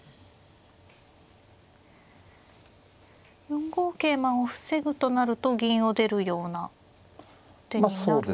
４五桂馬を防ぐとなると銀を出るような手になるんでしょうか。